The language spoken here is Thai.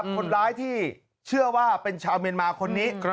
คนร้ายที่เชื่อว่าเป็นชาวเมียนมาคนนี้